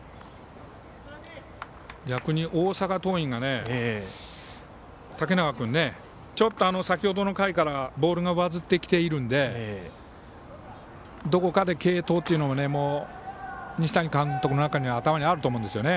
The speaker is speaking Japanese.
逆に大阪桐蔭が竹中君ねちょっと先ほどの回からボールが上ずってきているのでどこかで継投も西谷監督の頭にはあると思うんですね。